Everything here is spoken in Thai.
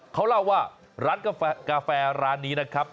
เขาเล่าว่าร้านกาแฟร้านนี้นะครับ